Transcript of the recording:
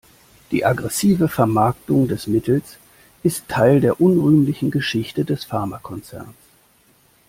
Die aggressive Vermarktung des Mittels ist Teil der unrühmlichen Geschichte des Pharmakonzerns.